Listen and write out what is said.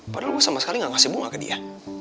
padahal gue sama sekali gak ngasih bunga ke dia